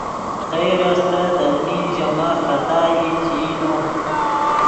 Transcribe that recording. خیر استت المی ژے ماخ خطا ای چے ای نو